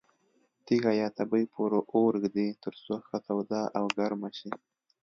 تیږه یا تبۍ پر اور ږدي ترڅو ښه توده او ګرمه شي.